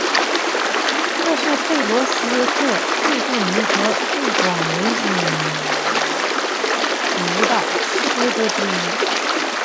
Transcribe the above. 这是弗罗斯特最著名和最广为诵读的诗歌之一。